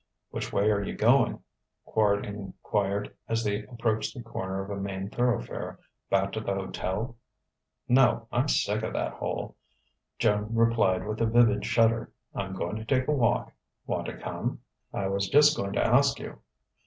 "Which way are you going?" Quard enquired as they approached the corner of a main thoroughfare. "Back to the hotel?" "No; I'm sick of that hole," Joan replied with a vivid shudder. "I'm going to take a walk. Want to come?" "I was just going to ask you."